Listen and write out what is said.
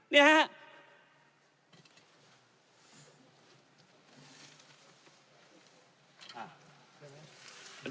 เนี่ยฮะ